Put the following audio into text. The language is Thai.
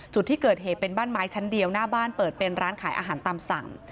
จุดที่เกิดเหตุเป็นบ้านไม้ชั้นเดียวหน้าบ้านเปิดเป็นร้านขายอาหารตามสั่ง